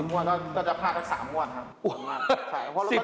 งวดก็จะพลาดสัก๓งวดครับ